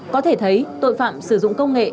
có thể thấy tội phạm sử dụng công nghệ